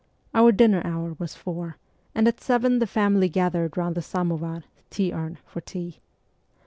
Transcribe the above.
Our dinner hour was four, and at seven the family gathered round the samovar (tea urn) for tea.